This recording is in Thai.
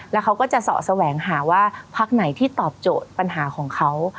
แล้วเขาก็จะเสาะแสวงหาว่าพักไหนที่ตอบโจทย์ปัญหาของเขา